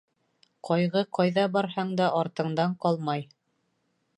Ҡайғы ҡайҙа барһаң да артыңдан ҡалмай.